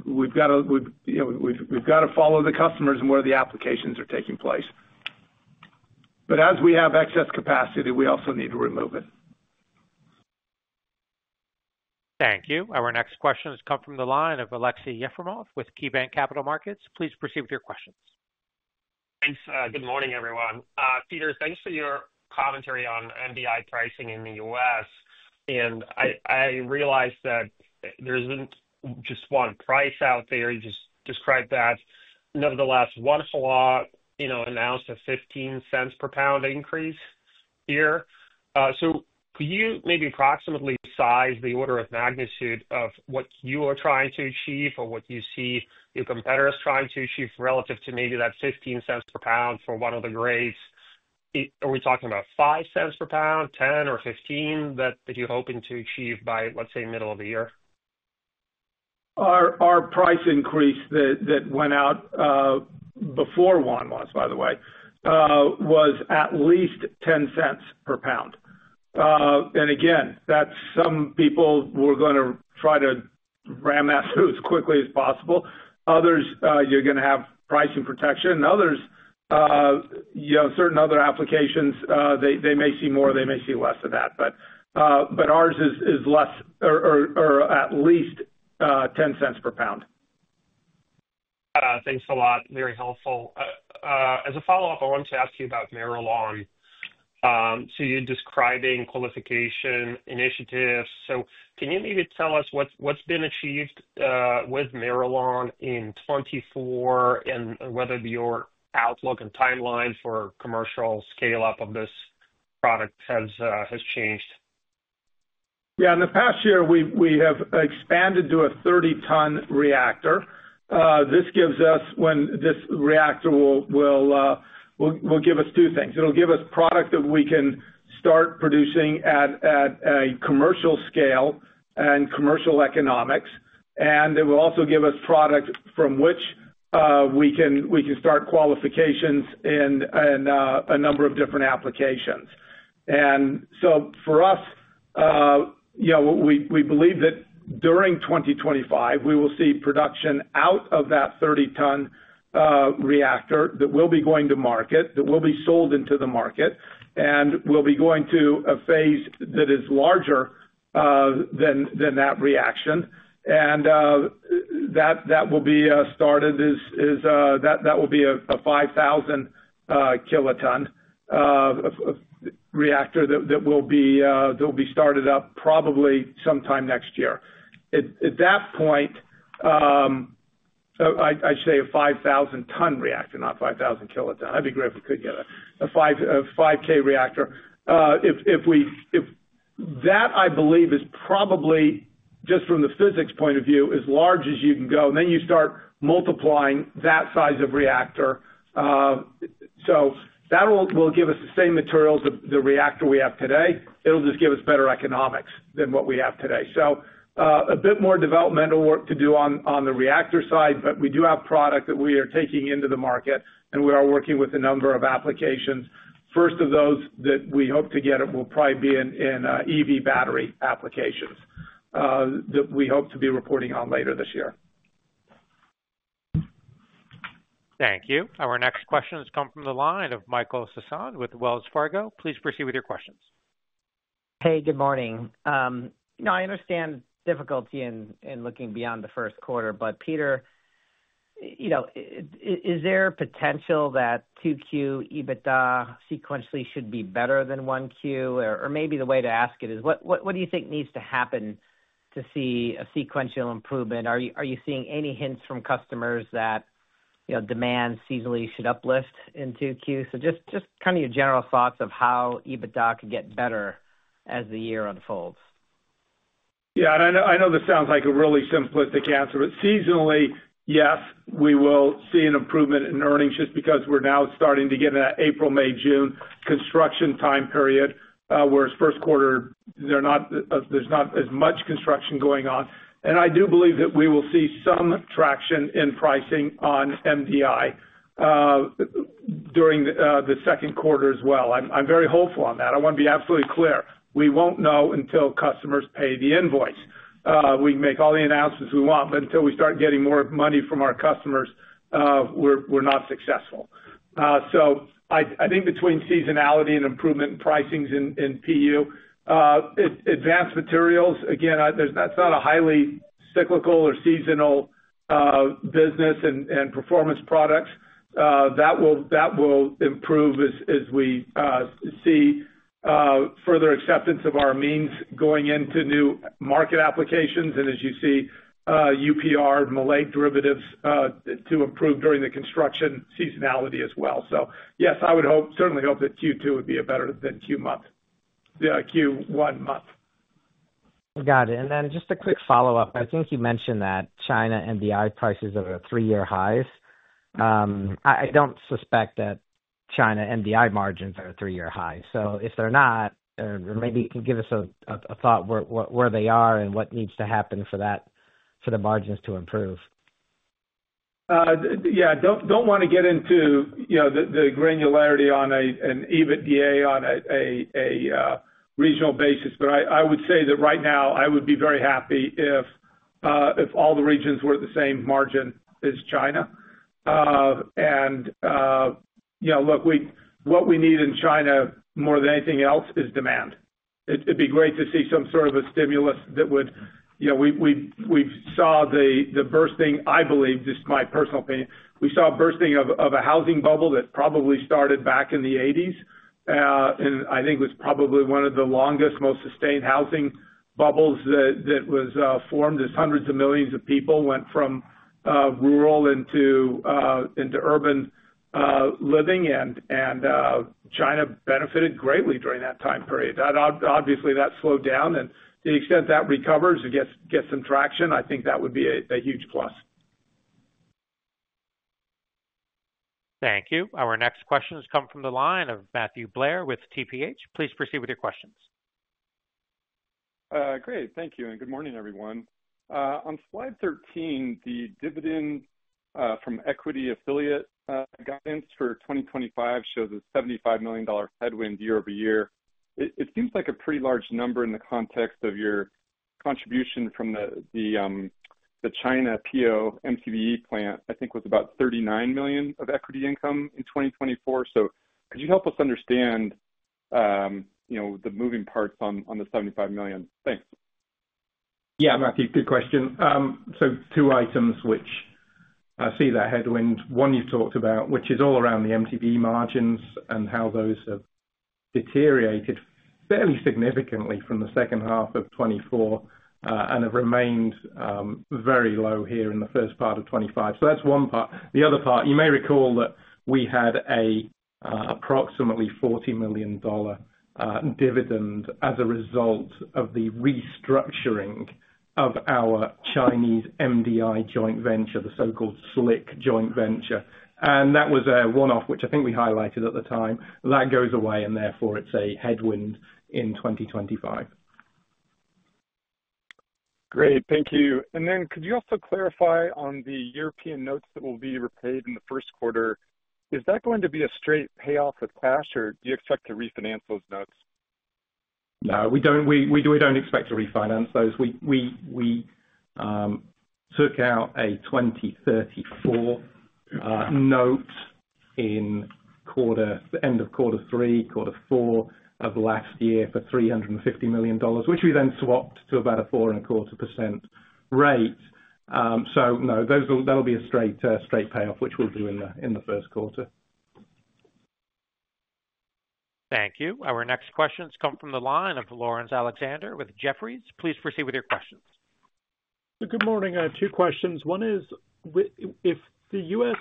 We've got to follow the customers and where the applications are taking place. As we have excess capacity, we also need to remove it. Thank you. Our next questions come from the line of Aleksey Yefremov with KeyBanc Capital Markets. Please proceed with your questions. Thanks. Good morning, everyone. Peter, thanks for your commentary on MDI pricing in the U.S. I realize that there isn't just one price out there. You just described that. Nevertheless, Wanhua announced a $0.15 per pound increase here. So could you maybe approximately size the order of magnitude of what you are trying to achieve or what you see your competitors trying to achieve relative to maybe that $0.15 per pound for one of the grades? Are we talking about $0.05 per pound, $0.10, or $0.15 that you're hoping to achieve by, let's say, middle of the year? Our price increase that went out before Wanhua was, by the way, was at least $0.10 per pound. And again, that's some people were going to try to ram that through as quickly as possible. Others, you're going to have pricing protection. Others, you know, certain other applications, they may see more, they may see less of that. But ours is less or at least $0.10 per pound. Thanks a lot. Very helpful. As a follow-up, I want to ask you about Miralon. So you're describing qualification initiatives. So can you maybe tell us what's been achieved with Miralon in 2024 and whether your outlook and timeline for commercial scale-up of this product has changed? Yeah. In the past year, we have expanded to a 30-ton reactor. This gives us, when this reactor will give us two things. It'll give us product that we can start producing at a commercial scale and commercial economics. And it will also give us product from which we can start qualifications in a number of different applications. And so for us, you know, we believe that during 2025, we will see production out of that 30-ton reactor that we'll be going to market, that will be sold into the market, and we'll be going to a phase that is larger than that reaction. And that will be started as that will be a 5,000 kiloton reactor that will be started up probably sometime next year. At that point, I'd say a 5,000-ton reactor, not 5,000 kiloton. I'd be grateful if we could get a 5K reactor. I believe that is probably just from the physics point of view, as large as you can go, and then you start multiplying that size of reactor. So that will give us the same materials of the reactor we have today. It'll just give us better economics than what we have today. So a bit more developmental work to do on the reactor side, but we do have product that we are taking into the market and we are working with a number of applications. First of those that we hope to get will probably be in EV battery applications that we hope to be reporting on later this year. Thank you. Our next questions come from the line of Michael Sison with Wells Fargo. Please proceed with your questions. Hey, good morning. You know, I understand difficulty in looking beyond the first quarter, but Peter, you know, is there potential that 2Q, EBITDA sequentially should be better than 1Q? Or maybe the way to ask it is, what do you think needs to happen to see a sequential improvement? Are you seeing any hints from customers that, you know, demand seasonally should uplift in 2Q? So just kind of your general thoughts of how EBITDA could get better as the year unfolds. Yeah. And I know this sounds like a really simplistic answer, but seasonally, yes, we will see an improvement in earnings just because we're now starting to get an April, May, June construction time period whereas first quarter, there's not as much construction going on. And I do believe that we will see some traction in pricing on MDI during the second quarter as well. I'm very hopeful on that. I want to be absolutely clear. We won't know until customers pay the invoice. We can make all the announcements we want, but until we start getting more money from our customers, we're not successful. So I think between seasonality and improvement in pricings in PU, Advanced Materials, again, that's not a highly cyclical or seasonal business and Performance Products. That will improve as we see further acceptance of our amines going into new market applications. As you see, UPR maleic derivatives to improve during the construction seasonality as well. Yes, I would certainly hope that Q2 would be better than Q1 month. Got it. And then just a quick follow-up. I think you mentioned that China and the MDI prices are at three-year highs. I don't suspect that China and the MDI margins are at three-year highs. So if they're not, maybe you can give us a thought where they are and what needs to happen for the margins to improve. Yeah. Don't want to get into, you know, the granularity on an EBITDA on a regional basis, but I would say that right now, I would be very happy if all the regions were at the same margin as China. And, you know, look, what we need in China more than anything else is demand. It'd be great to see some sort of a stimulus that would, you know, we saw the bursting, I believe, just my personal opinion, we saw a bursting of a housing bubble that probably started back in the 1980s. And I think it was probably one of the longest, most sustained housing bubbles that was formed as hundreds of millions of people went from rural into urban living. And China benefited greatly during that time period. Obviously, that slowed down. To the extent that recovers and gets some traction, I think that would be a huge plus. Thank you. Our next questions come from the line of Matthew Blair with TPH. Please proceed with your questions. Great. Thank you. And good morning, everyone. On Slide 13, the dividend from equity affiliate guidance for 2025 shows a $75 million headwind year-over-year. It seems like a pretty large number in the context of your contribution from the China PO MTBE plant, I think was about $39 million of equity income in 2024. So could you help us understand, you know, the moving parts on the $75 million? Thanks. Yeah, Matthew, good question. So two items which I see that headwind. One you've talked about, which is all around the MTBE margins and how those have deteriorated fairly significantly from the second half of 2024 and have remained very low here in the first part of 2025. So that's one part. The other part, you may recall that we had an approximately $40 million dividend as a result of the restructuring of our Chinese MDI joint venture, the so-called SLIC joint venture. And that was a one-off, which I think we highlighted at the time. That goes away and therefore it's a headwind in 2025. Great. Thank you. And then could you also clarify on the European notes that will be repaid in the first quarter? Is that going to be a straight payoff of cash or do you expect to refinance those notes? No, we don't expect to refinance those. We took out a 2034 note in quarter, the end of quarter three, quarter four of last year for $350 million, which we then swapped to about a 4.25% rate. So no, that'll be a straight payoff, which we'll do in the first quarter. Thank you. Our next questions come from the line of Lawrence Alexander with Jefferies. Please proceed with your questions. Good morning. Two questions. One is, if the U.S.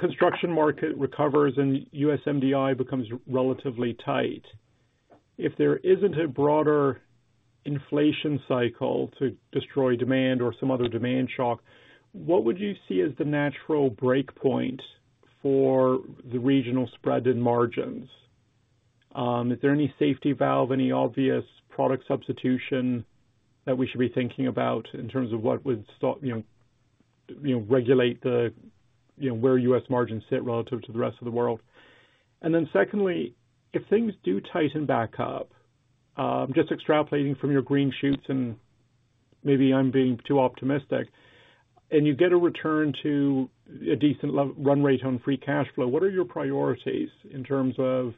construction market recovers and U.S. MDI becomes relatively tight, if there isn't a broader inflation cycle to destroy demand or some other demand shock, what would you see as the natural breakpoint for the regional spread in margins? Is there any safety valve, any obvious product substitution that we should be thinking about in terms of what would regulate where U.S. margins sit relative to the rest of the world? And then secondly, if things do tighten back up, just extrapolating from your green shoots and maybe I'm being too optimistic, and you get a return to a decent run rate on free cash flow, what are your priorities in terms of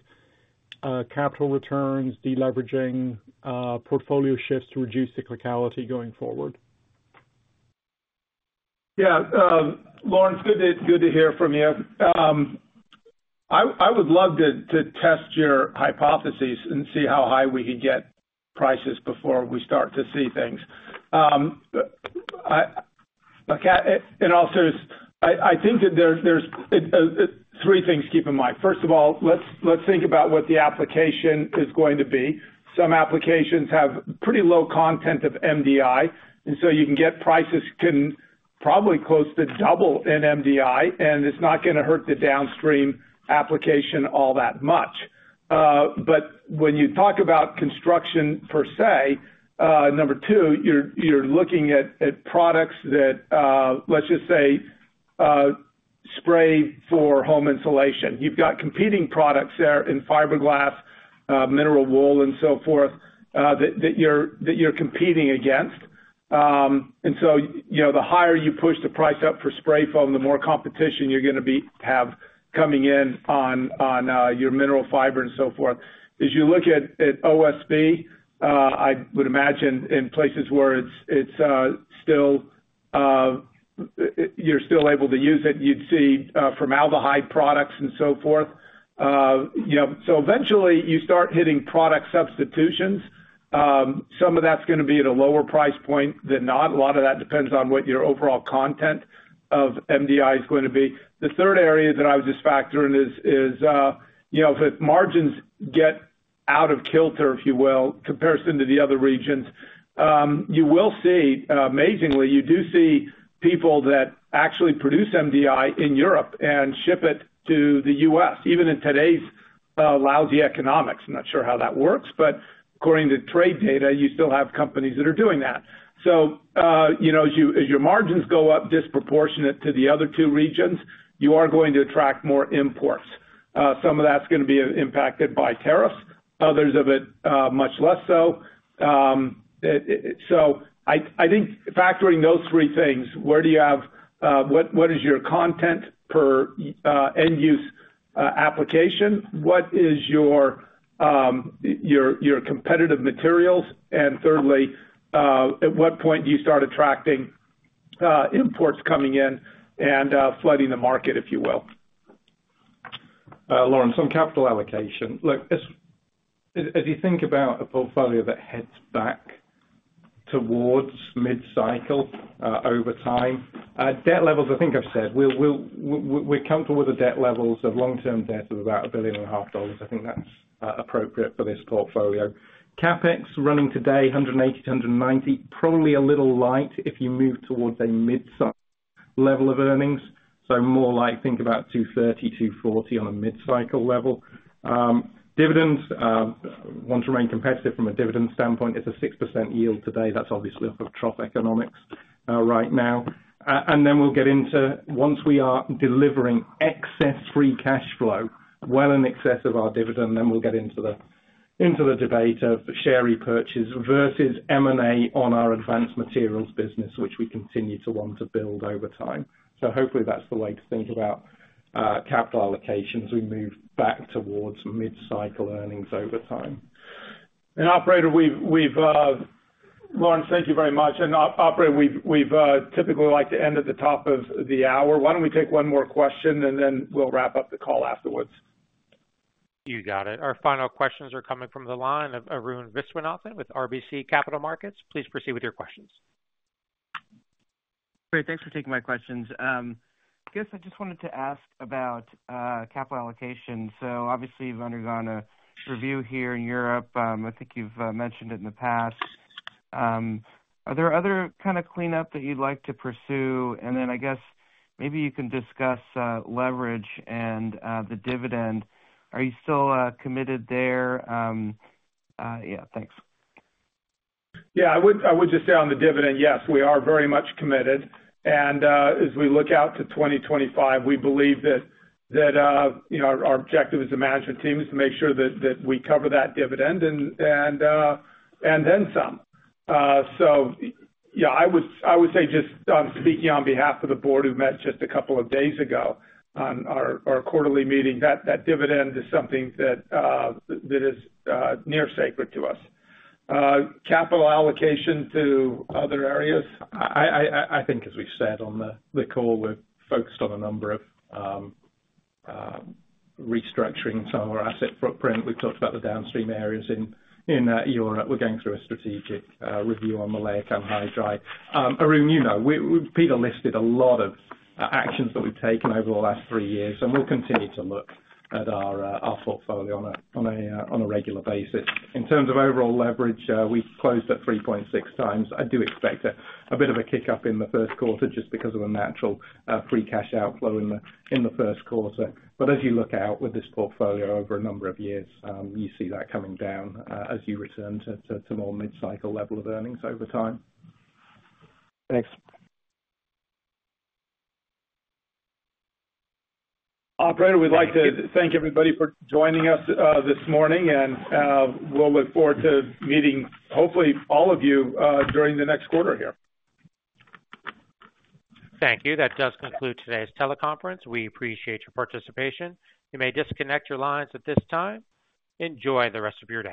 capital returns, deleveraging, portfolio shifts to reduce cyclicality going forward? Yeah. Lawrence, good to hear from you. I would love to test your hypotheses and see how high we could get prices before we start to see things. And also, I think that there's three things to keep in mind. First of all, let's think about what the application is going to be. Some applications have pretty low content of MDI. And so you can get prices can probably close to double in MDI, and it's not going to hurt the downstream application all that much. But when you talk about construction per se, number two, you're looking at products that, let's just say, spray for home insulation. You've got competing products there in fiberglass, mineral wool, and so forth that you're competing against. And so, you know, the higher you push the price up for spray foam, the more competition you're going to have coming in on your mineral fiber and so forth. As you look at OSB, I would imagine in places where it's still, you're still able to use it, you'd see formaldehyde products and so forth. You know, so eventually you start hitting product substitutions. Some of that's going to be at a lower price point than not. A lot of that depends on what your overall content of MDI is going to be. The third area that I was just factoring is, you know, if margins get out of kilter, if you will, in comparison to the other regions, you will see, amazingly, you do see people that actually produce MDI in Europe and ship it to the U.S., even in today's lousy economics. I'm not sure how that works, but according to trade data, you still have companies that are doing that. So, you know, as your margins go up disproportionate to the other two regions, you are going to attract more imports. Some of that's going to be impacted by tariffs. Others of it, much less so. So I think factoring those three things, where do you have, what is your content per end-use application? What is your competitive materials? And thirdly, at what point do you start attracting imports coming in and flooding the market, if you will? Lawrence, on capital allocation, look, as you think about a portfolio that heads back towards mid-cycle over time, debt levels, I think I've said, we're comfortable with the debt levels of long-term debt of about $1.5 billion. I think that's appropriate for this portfolio. CapEx running today, $180-$190, probably a little light if you move towards a mid-cycle level of earnings. So more like, think about $230-$240 on a mid-cycle level. Dividends, want to remain competitive from a dividend standpoint. It's a 6% yield today. That's obviously off of trough economics right now. And then we'll get into once we are delivering excess free cash flow, well in excess of our dividend, then we'll get into the debate of share repurchase versus M&A on our Advanced Materials business, which we continue to want to build over time. So hopefully that's the way to think about capital allocations as we move back towards mid-cycle earnings over time. And Lawrence, thank you very much. And Arun, we'd typically like to end at the top of the hour. Why don't we take one more question and then we'll wrap up the call afterwards? You got it. Our final questions are coming from the line of Arun Viswanathan with RBC Capital Markets. Please proceed with your questions. Great. Thanks for taking my questions. I guess I just wanted to ask about capital allocation. So obviously you've undergone a review here in Europe. I think you've mentioned it in the past. Are there other kind of cleanup that you'd like to pursue? And then I guess maybe you can discuss leverage and the dividend. Are you still committed there? Yeah, thanks. Yeah, I would just say on the dividend, yes, we are very much committed. And as we look out to 2025, we believe that our objective as a management team is to make sure that we cover that dividend and then some. So yeah, I would say just speaking on behalf of the board who met just a couple of days ago on our quarterly meeting, that dividend is something that is near sacred to us. Capital allocation to other areas? I think as we've said on the call, we're focused on a number of restructuring some of our asset footprint. We've talked about the downstream areas in Europe. We're going through a strategic review on maleic anhydride. Arun, you know, Peter listed a lot of actions that we've taken over the last three years, and we'll continue to look at our portfolio on a regular basis. In terms of overall leverage, we closed at 3.6x. I do expect a bit of a kick-up in the first quarter just because of a natural free cash outflow in the first quarter. But as you look out with this portfolio over a number of years, you see that coming down as you return to more mid-cycle level of earnings over time. Thanks. Operator, we'd like to thank everybody for joining us this morning, and we'll look forward to meeting hopefully all of you during the next quarter here. Thank you. That does conclude today's teleconference. We appreciate your participation. You may disconnect your lines at this time. Enjoy the rest of your day.